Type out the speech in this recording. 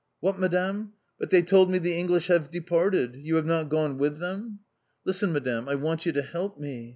"What, Madame! But they told me les deux Anglais have departed. You have not gone with them?" "Listen, Madame! I want you to help me.